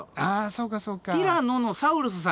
そうかそうか。